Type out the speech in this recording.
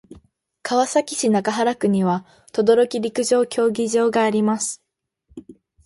川崎市中原区には等々力陸上競技場があります。